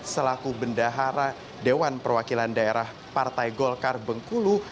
selaku bendahara dewan perwakilan daerah partai golkar bengkulu